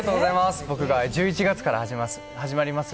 僕が１１月から始まります